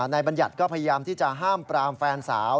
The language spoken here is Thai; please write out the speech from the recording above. บัญญัติก็พยายามที่จะห้ามปรามแฟนสาว